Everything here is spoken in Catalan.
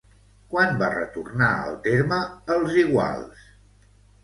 Quan va retornar el terme "els Iguals"?